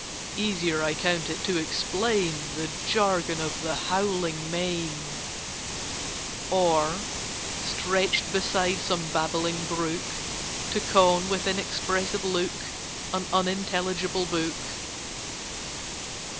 Easier I count it to explain The jargon of the howling main, "Or, stretched beside some babbling brook, To con, with inexpressive look, An unintelligible book."